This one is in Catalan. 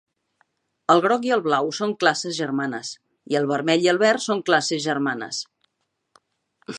El groc i el blau són classes germanes i el vermell i el verd són classes germanes.